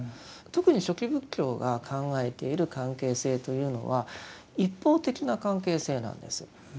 特に初期仏教が考えている関係性というのは一方的な関係性なんです。